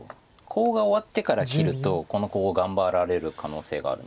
コウが終わってから切るとこのコウを頑張られる可能性があるので。